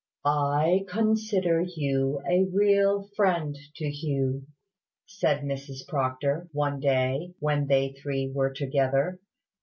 "I consider you a real friend to Hugh," said Mrs Proctor, one day, when they three were together.